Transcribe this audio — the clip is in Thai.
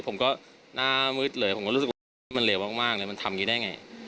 ผมก็หน้ามืดเลยผมก็รู้สึกว่ามันเหลวมากมากเลยมันทำงี้ได้ไง